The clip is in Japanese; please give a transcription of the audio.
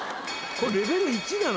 これレベル１なの？